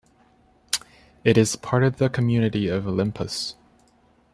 It is part of the community of Olympos.